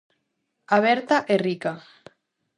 Aberta e rica.